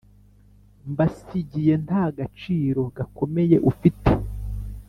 mbasigiye nta gaciro gakomeye ufite